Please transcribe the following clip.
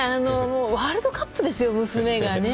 ワールドカップですよ、娘が。